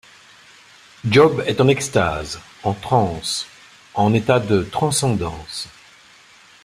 Job est en extase, en transe, en état de transcendance.